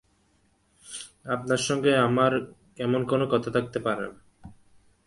আপনার সঙ্গে আমার এমন কোনো কথা থাকতে পারে না।